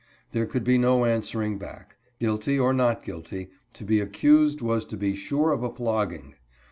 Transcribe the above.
There could be no answering back. Guilty or not guilty, to be accused was to be sure of a flogging.